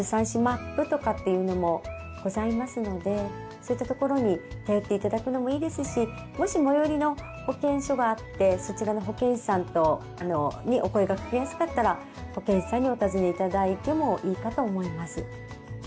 そういった所に頼って頂くのもいいですしもし最寄りの保健所があってそちらの保健師さんにお声かけやすかったら保健師さんにお尋ね頂いてもいいかと思います。